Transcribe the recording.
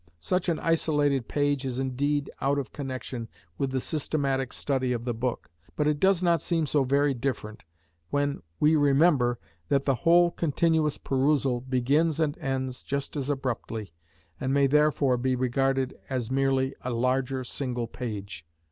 Such an isolated page is indeed out of connection with the systematic study of the book, but it does not seem so very different when we remember that the whole continuous perusal begins and ends just as abruptly, and may therefore be regarded as merely a larger single page.